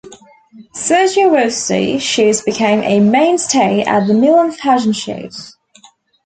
Sergio Rossi shoes became a mainstay at the Milan fashion shows.